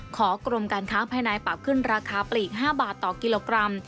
กรมการค้างภายในปรับขึ้นราคาปลีก๕บาทต่อกิโลกรัม